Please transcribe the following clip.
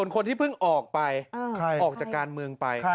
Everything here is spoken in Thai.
คนที่พึ่งออกจากการเมืองไป